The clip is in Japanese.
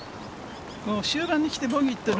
終盤に来てボギーという